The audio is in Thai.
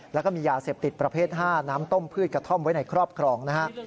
แล้วก็มียาเสพติดประเภท๕น้ำต้มพืชกระท่อมไว้ในครอบครองนะฮะ